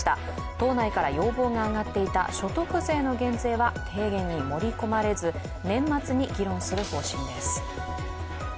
党内から要望が上がっていた所得税の減税は提言に盛り込まれず年末に議論する方針です。